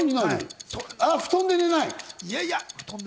布団で寝ない。